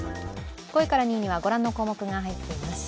５位から２位にはご覧の項目が入っています。